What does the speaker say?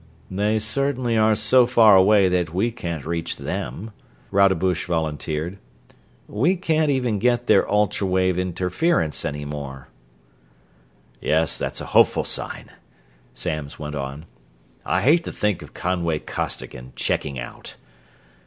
"They certainly are so far away that we can't reach them." Rodenbush volunteered. "We can't even get their ultra wave interference any more." "Yes, that's a hopeful sign," Samms went on. "I hate to think of Conway Costigan checking out.